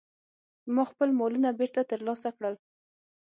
ما خپل مالونه بیرته ترلاسه کړل.